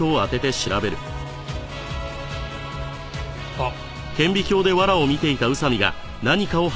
あっ。